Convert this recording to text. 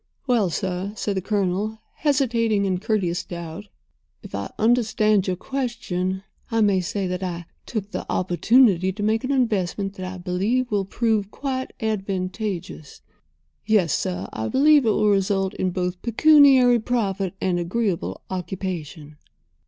"Well, sir," said the Colonel, hesitating in courteous doubt, "if I understand your question, I may say that I took the opportunity to make an investment that I believe will prove quite advantageous—yes, sir, I believe it will result in both pecuniary profit and agreeable occupation."